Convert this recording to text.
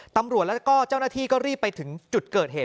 ตำรวจแล้วก็เจ้าหน้าที่ก็รีบไปถึงจุดเกิดเหตุ